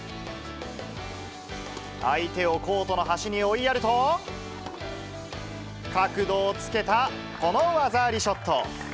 相手をコートの端に追いやると、角度をつけたこの技ありショット。